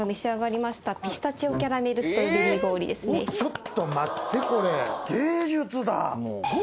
ちょっと待ってこれ。